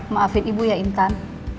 maafin ibu ya intan